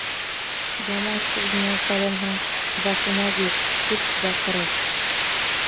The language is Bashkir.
Яман күҙенә салынһаң, «башына бир» тип баҡырыр.